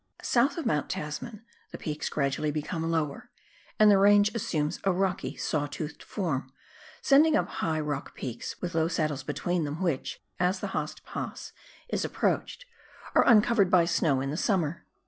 7 South of Mount Tasman the peaks gradually become lower, and the range assumes a rocky saw tooth form, sending up high rock peaks with low saddles between them which, as the Haast Pass is approached, are uncovered by snow in the summer.